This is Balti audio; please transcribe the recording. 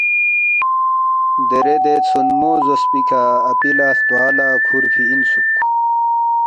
دیرے دے ژھونمو زوسپی کھہ اپی لہ ہلتوا لہ کُھورفی اِنسُوک جُو